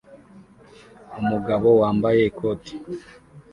Umugabo wambaye ikot